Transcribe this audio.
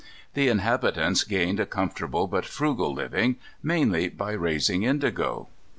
The inhabitants gained a comfortable but frugal living, mainly by raising indigo.